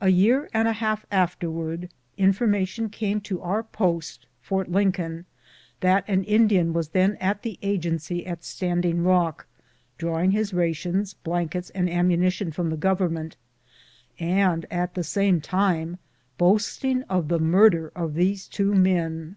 A year and a half afterwards information came to our post. Fort Lincoln, that an Indian was then at the Agency at Standing Eock, drawing his rations, blankets, 204 BOOTS AND SADDLES. and ammunition from the Government, and at the same time boasting of tlie murder of these two men.